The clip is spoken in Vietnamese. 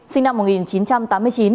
sinh năm một nghìn chín trăm tám mươi chín